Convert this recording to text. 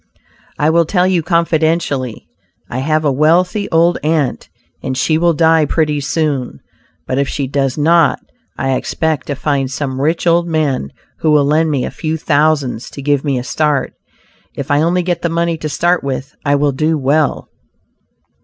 "I will tell you confidentially; I have a wealthy old aunt, and she will die pretty soon; but if she does not, I expect to find some rich old man who will lend me a few thousands to give me a start. If I only get the money to start with I will do well."